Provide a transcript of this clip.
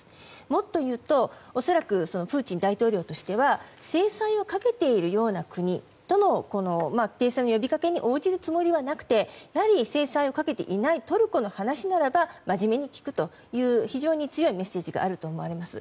もっと言うと、恐らくプーチン大統領としては制裁をかけているような国との停戦の呼びかけに応じるつもりはなくてやはり、制裁をかけていないトルコの話ならば真面目に聞くという非常に強いメッセージがあると思われます。